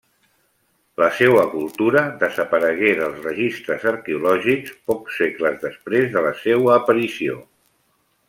La seua cultura desaparegué dels registres arqueològics pocs segles després de la seua aparició.